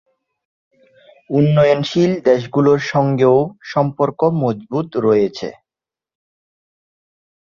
উন্নয়নশীল দেশগুলোর সঙ্গেও সম্পর্ক মজবুত রয়েছে।